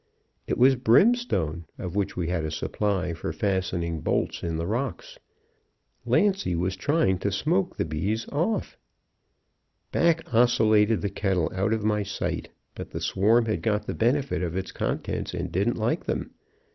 It was brimstone, of which we had a supply for fastening bolts in the rocks. Lancy was trying to smoke the bees off. "Back oscillated the kettle out of my sight. But the swarm had got the benefit of its contents and didn't like them.